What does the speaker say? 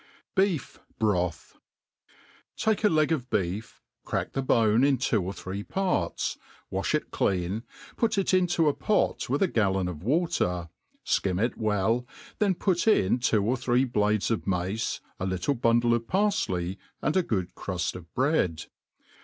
Beef' Broth. TAKE .a l<Jg of beef, crack the bone in two or three parts, wa(h it. clean, put it into a pot with a gallon of water, (kina it well, then put in two or three blades of mace, a little bundle of parfley, and a good cruft of bread.